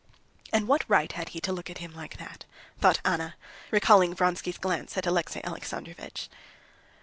"And what right had he to look at him like that?" thought Anna, recalling Vronsky's glance at Alexey Alexandrovitch.